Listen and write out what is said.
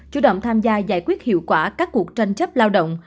chủ động tham gia giải quyết hiệu quả các cuộc tranh chấp lao động